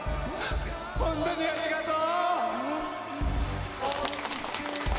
本当にありがとう！